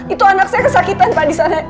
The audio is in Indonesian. itu anak saya kesakitan pak disana